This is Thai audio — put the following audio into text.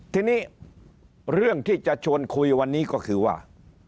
ทีนี้เรื่องที่จะชวนคุยวันนี้ก็คือว่า